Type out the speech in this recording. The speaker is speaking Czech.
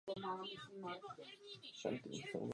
Pro klub pracoval i jako skaut.